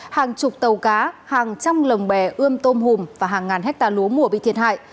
hàng chục tàu cá hàng trăm lồng bè ươm tôm hùm và hàng ngàn hecta lúa mùa bị thiệt hại